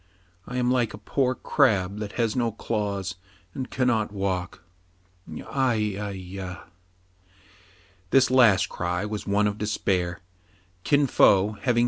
" I am like a poor crab that has no claws, and cannot walk. Ai, ai, ya !'^ This last cry was one of despair. Kin Fo, having